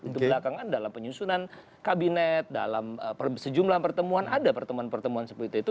itu belakangan dalam penyusunan kabinet dalam sejumlah pertemuan ada pertemuan pertemuan seperti itu